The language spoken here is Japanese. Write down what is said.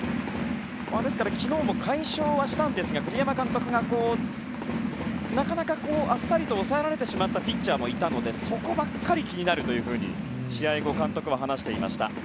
昨日も快勝はしたんですが栗山監督がなかなかあっさりと抑えられてしまったピッチャーもいるのでそこばかり気になると試合後、監督は話していました。